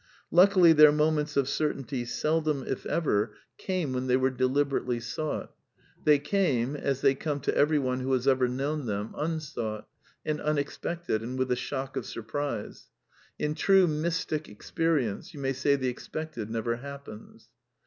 Luckily their moments of certainty seldom, if ever, came THE NEW MYSTICISM 269 when they were deliberately sought ; they came — as they come to every one who has ever known them — unsought, and unexpected and with a shock of surprise. In true j^^ ^Tnystic experience you may say the expected never hap pens.